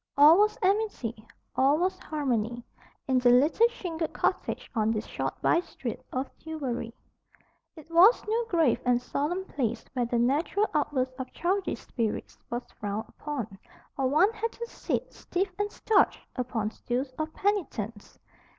All was amity, all was harmony, in the little shingled cottage on this short by street of Tillbury. It was no grave and solemn place where the natural outburst of childish spirits was frowned upon, or one had to sit "stiff and starched" upon stools of penitence.